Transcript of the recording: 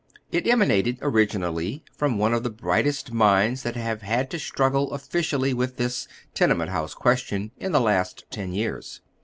It emanated originally from one of the brightest minds that have had to struggle officially witli this tenement house question in the last ten years.